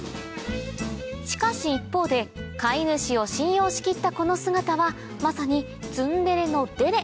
しかし一方で飼い主を信用し切ったこの姿はまさにツンデレの「デレ」